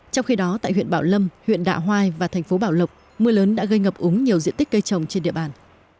trong khi đó tại huyện bảo lâm huyện đạ hoai và thành phố bảo lộc mưa lớn đã gây ngập úng nhiều diện tích cây trồng trên địa bàn